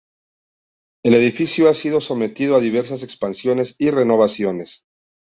El edificio ha sido sometido a diversas expansiones y renovaciones.